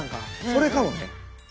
それかもね。